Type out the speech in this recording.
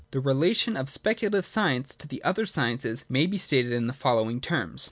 The relation of speculative science to the other sciences may be stated in the following terms.